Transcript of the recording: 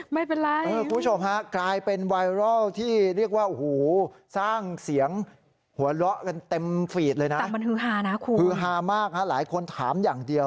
ไม่เป็นไรตำแหน่งว่างคุณขวัญไปเลย